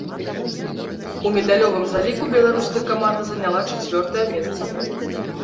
У медалёвым заліку беларуская каманда заняла чацвёртае месца.